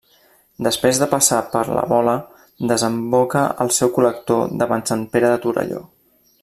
Després de passar per la Vola, desemboca al seu col·lector davant Sant Pere de Torelló.